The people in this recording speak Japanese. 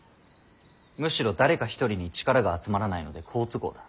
むしろ誰か一人に力が集まらないので好都合だ。